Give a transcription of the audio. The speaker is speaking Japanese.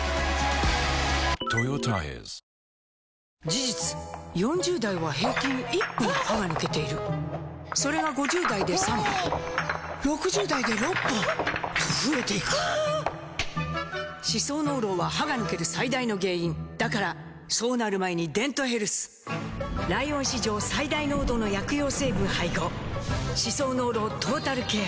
事実４０代は平均１本歯が抜けているそれが５０代で３本６０代で６本と増えていく歯槽膿漏は歯が抜ける最大の原因だからそうなる前に「デントヘルス」ライオン史上最大濃度の薬用成分配合歯槽膿漏トータルケア！